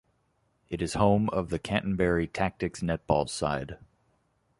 It is home of the Canterbury Tactix netball side.